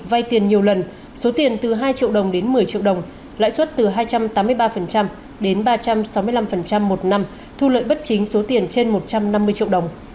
vay tiền nhiều lần số tiền từ hai triệu đồng đến một mươi triệu đồng lãi suất từ hai trăm tám mươi ba đến ba trăm sáu mươi năm một năm thu lợi bất chính số tiền trên một trăm năm mươi triệu đồng